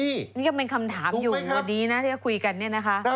นี่ก็เป็นคำถามอยู่วันนี้นะที่จะคุยกันเนี่ยนะคะ